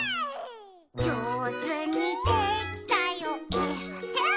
「じょうずにできたよえっへん」